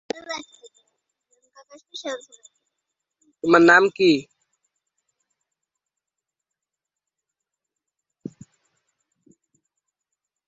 এর পর তিনি এটিকে প্রোগ্রামিং করার কাজ শুরু করেন।